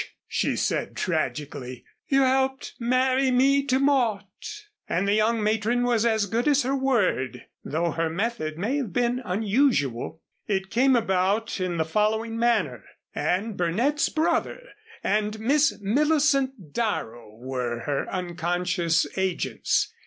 she said tragically. "You helped marry me to Mort." And the young matron was as good as her word, though her method may have been unusual. It came about in the following manner, and Burnett's brother and Miss Millicent Darrow were her unconscious agents.